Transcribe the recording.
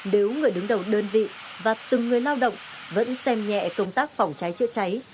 nếu người đứng đầu đơn vị và từng người lao động vẫn xem nhẹ công tác phòng cháy chữa cháy